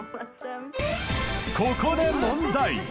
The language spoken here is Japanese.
ここで問題